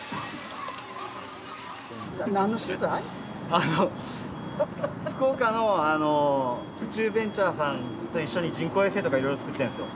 あの福岡の宇宙ベンチャーさんと一緒に人工衛星とかいろいろ作ってるんですよ。